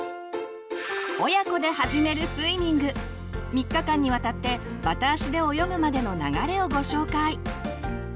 ３日間にわたってバタ足で泳ぐまでの流れをご紹介。